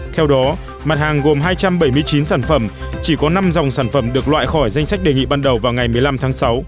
theo đó mặt hàng gồm hai trăm bảy mươi chín sản phẩm chỉ có năm dòng sản phẩm được loại khỏi danh sách đề nghị ban đầu vào ngày một mươi năm tháng sáu